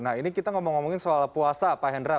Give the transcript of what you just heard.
nah ini kita ngomong ngomongin soal puasa pak hendra